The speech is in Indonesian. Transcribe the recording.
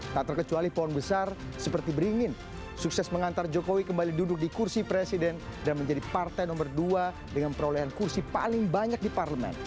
tak terkecuali pohon besar seperti beringin sukses mengantar jokowi kembali duduk di kursi presiden dan menjadi partai nomor dua dengan perolehan kursi paling banyak di parlemen